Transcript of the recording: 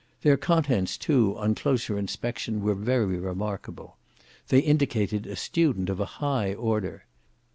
Their contents too on closer inspection were very remarkable. They indicated a student of a high order.